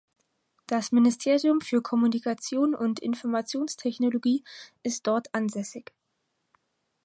Das Ministerium für Kommunikation und Informationstechnologie ist dort ansässig.